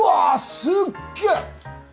すっげえ！